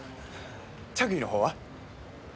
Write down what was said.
着衣のほうは？